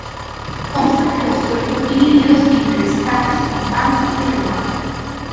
Consta de dos cuerpos divididos en tres calles, con banco y remate.